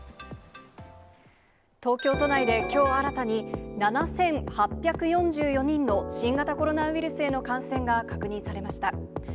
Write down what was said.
東京都内できょう新たに、７８４４人の新型コロナウイルスへの感染が確認されました。